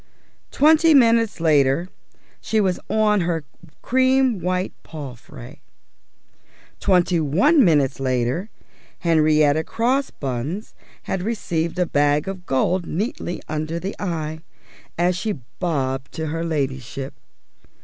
... Twenty minutes later she was on her cream white palfrey. Twenty one minutes later Henrietta Crossbuns had received a bag of gold neatly under the eye, as she bobbed to her Ladyship.